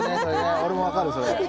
俺も分かるそれ。